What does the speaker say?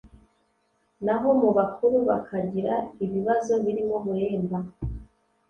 naho mu bakuru bakagira ibibazo birimo uburemba,